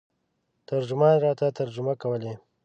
ترجمان راته ترجمه کولې.